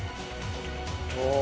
おお！